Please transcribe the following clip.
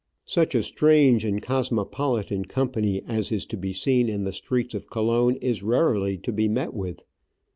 Such a strange and cosmopolitan company as is to be seen in the streets of Colon is rarely to be met with.